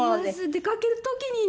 出かける時にね。